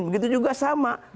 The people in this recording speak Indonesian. begitu juga sama